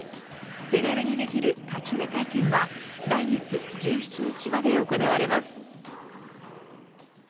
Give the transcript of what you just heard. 手軽にできる立ち寝体験は来月１７日まで行われます。